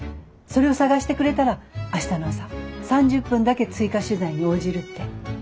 それを探してくれたら明日の朝３０分だけ追加取材に応じるって。